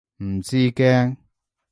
唔知驚？